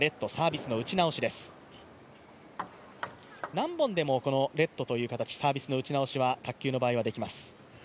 何本でもレットという形、サービスの打ち直しは卓球の場合はできます。